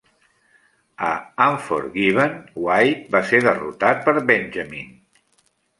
A Unforgiven, White va ser derrotat per Benjamin.